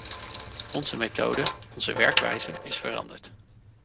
Onze methode, onze werkwijze is veranderd.